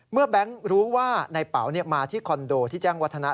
แบงค์รู้ว่าในเป๋ามาที่คอนโดที่แจ้งวัฒนะ